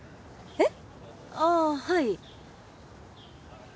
えっ？